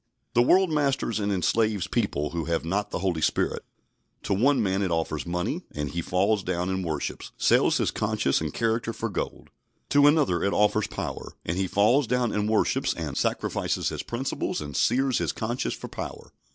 The world masters and enslaves people who have not the Holy Spirit. To one man it offers money, and he falls down and worships; sells his conscience and character for gold. To another it offers power, and he falls down and worships and sacrifices his principles and sears his conscience for power.